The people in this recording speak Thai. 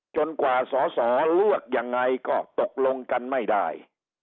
กว่าสอสอเลือกยังไงก็ตกลงกันไม่ได้